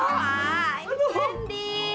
wah ini trendy